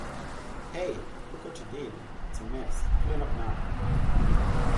Hey, look what you did, it's a mess, clean up now!